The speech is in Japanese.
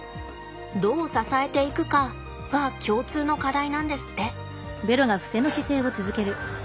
どう支えていくかが共通の課題なんですって。